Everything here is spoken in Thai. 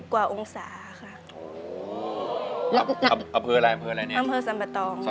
กระแซะเข้ามาสิ